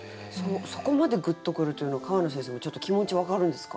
そこまでグッと来るというのは川野先生もちょっと気持ち分かるんですか？